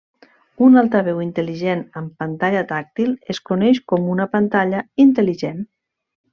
Un altaveu intel·ligent amb pantalla tàctil es coneix com una pantalla intel·ligent.